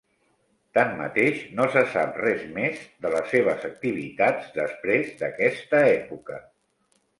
Tanmateix, no se sap res més de les seves activitats després d'aquesta època.